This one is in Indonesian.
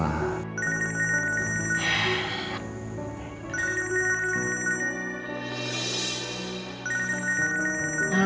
aku mau ngomongin sesuatu